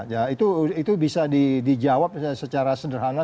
ya itu bisa dijawab secara sederhana